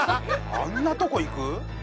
あんなとこ行く？